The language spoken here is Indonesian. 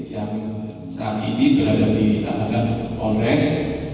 yang saat ini berada di tahanan polres